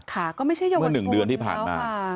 ค่ะก็ไม่ใช่เยาวชกวดแล้วค่ะ